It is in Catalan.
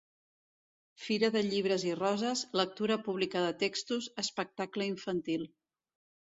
Fira de llibres i roses, lectura pública de textos, espectacle infantil.